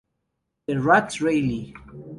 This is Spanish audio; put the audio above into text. D- Rats Rally.